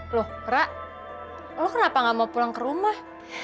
loh kera lo kenapa gak mau pulang ke rumah